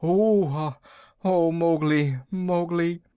Wahooa! O Mowgli, Mowgli!